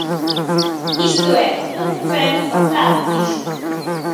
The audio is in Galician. Isto é, un referendo pactado, dixo.